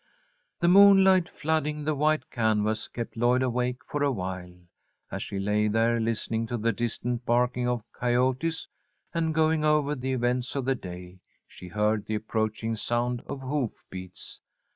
The moonlight flooding the white canvas kept Lloyd awake for awhile. As she lay there, listening to the distant barking of coyotes, and going over the events of the day, she heard the approaching sound of hoof beats.